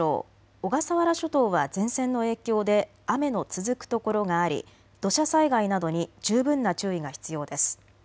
小笠原諸島は前線の影響で雨の続く所があり土砂災害などに十分な注意が必要です。